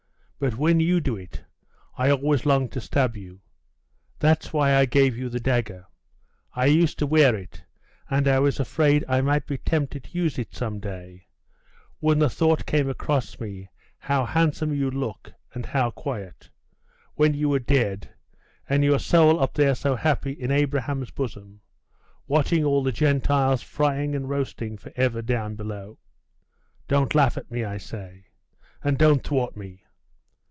But when you do it, I always long to stab you. That's why I gave you the dagger. I used to wear it; and I was afraid I might be tempted to use it some day, when the thought came across me how handsome you'd look, and how quiet, when you were dead, and your soul up there so happy in Abraham's bosom, watching all the Gentiles frying and roasting for ever down below. Don't laugh at me, I say; and don't thwart me!